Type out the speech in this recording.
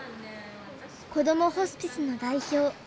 こどもホスピスの代表